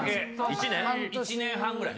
・１年半ぐらい？